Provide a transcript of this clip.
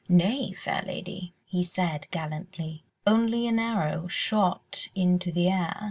"Nay, fair lady," he said gallantly, "only an arrow shot into the air."